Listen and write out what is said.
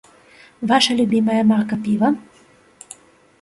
Ваша любімае марка піва?